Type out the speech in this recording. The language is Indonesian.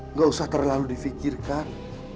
nggak usah terlalu difikirkan